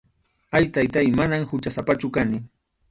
Ay, Taytáy, manam huchasapachu kani.